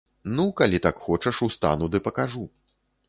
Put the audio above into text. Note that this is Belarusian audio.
Ну, калі так хочаш, устану ды пакажу.